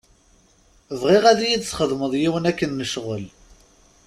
Bɣiɣ ad iyi-txedmeḍ yiwen akken n ccɣel.